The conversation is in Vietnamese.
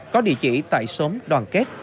có địa chỉ tại xóm đoàn kết